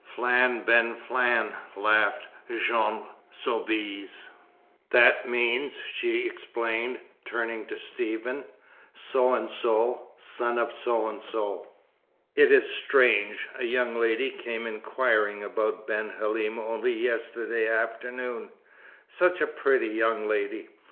"Flan ben Flan," laughed Jeanne Soubise. "That means," she explained, turning to Stephen, "So and So, son of So and So. It is strange, a young lady came inquiring about Ben Halim only yesterday afternoon; such a pretty young lady.